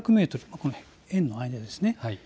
この円の間ですね。